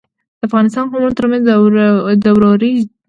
د افغانستان قومونو ترمنځ د ورورۍ ټینګښت.